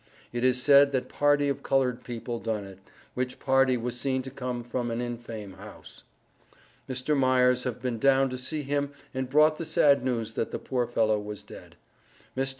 It is said that party of colord people done it, which party was seen to come out an infame house. Mr. Myers have been down to see him and Brought the Sad news that the Poor fellow was dead. Mr.